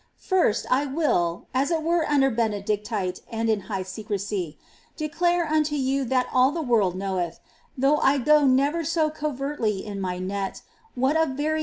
First, I will (as it were under Benedicite, and in high secresy) declare unto you that all the world knoweth, tliough I go never so covertly in my net what a very